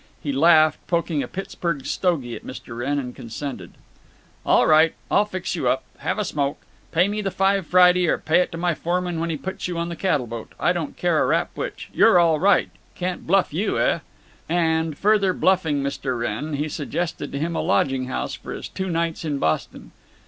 He laughed, poked a Pittsburg stogie at Mr. Wrenn, and consented: "All right. I'll fix you up. Have a smoke. Pay me the five Friday, or pay it to my foreman when he puts you on the cattle boat. I don't care a rap which. You're all right. Can't bluff you, eh?" And, further bluffing Mr. Wrenn, he suggested to him a lodging house for his two nights in Boston.